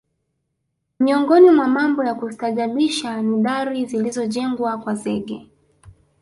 Miongoni mwa mambo ya kustaajabisha ni dari zilizojengwa kwa zege